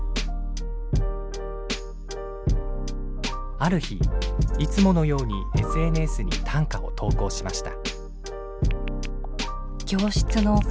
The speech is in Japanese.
ある日いつものようにＳＮＳに短歌を投稿しました。